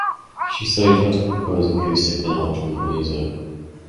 She studied how to compose acoustic and electronic music.